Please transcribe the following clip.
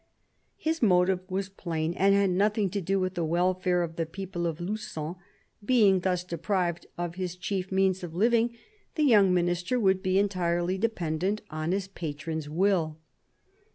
His motive was plain, and had nothing to do with the welfare of the people of Lu?on : being thus deprived of his chief means of living, the young Minister would be entirely dependent on his 90 CARDINAL DE RICHELIEU patron's will.